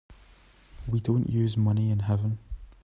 We don't use money in heaven.